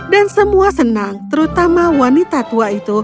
dan semua senang terutama wanita tua itu